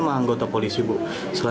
harapan ibu apa